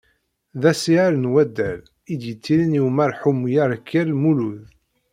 D asiher n waddal, i d-yettilin i umarḥum Yarkal Mulud.